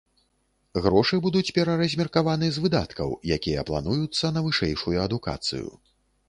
Грошы будуць пераразмеркаваны з выдаткаў, якія плануюцца на вышэйшую адукацыю.